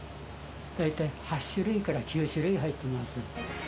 大体８種類から９種類入っております。